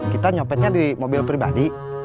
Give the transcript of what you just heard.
kita nyopetnya di mobil pribadi